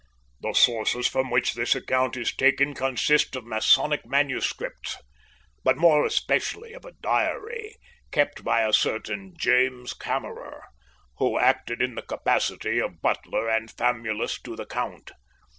The sources from which this account is taken consist of masonic manuscripts, but more especially of a diary kept by a certain James Kammerer, who acted in the capacity of butler and famulus to the Count.